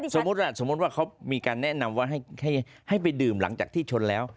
สมมุติว่าเขามีการแนะนำว่าให้ไปดื่มหลังจากที่ชนแล้ว